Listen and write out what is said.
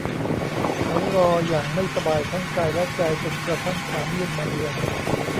เขารออย่างไม่สบายทั้งกายและใจจนกระทั่งความมืดมาเยือน